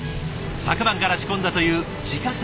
昨晩から仕込んだという自家製チャーシュー。